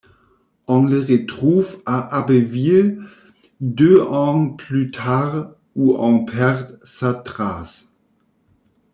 On le retrouve à Abbeville deux ans plus tard, où on perd sa trace.